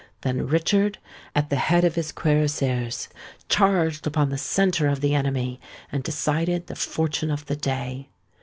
Then Richard, at the head of his cuirassiers, charged upon the centre of the enemy, and decided the fortune of the day.